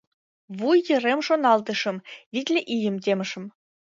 Вуй йырем шоналтышым: витле ийым темышым.